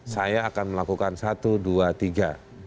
saya akan melakukan satu dua tiga